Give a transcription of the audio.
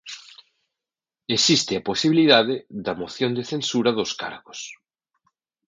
Existe a posibilidade da moción de censura dos cargos.